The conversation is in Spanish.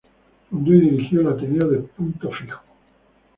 Fundó y dirigió el Ateneo de Punto Fijo.